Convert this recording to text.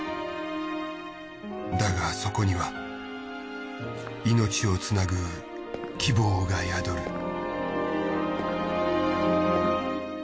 だがそこには命をつなぐ希望が宿る。